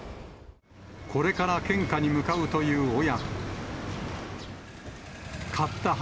これから献花に向かうという親子。